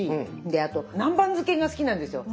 であと南蛮漬けが好きなんですよ。